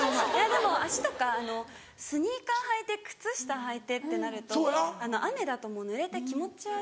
でも足とかスニーカー履いて靴下はいてってなると雨だとぬれて気持ち悪く。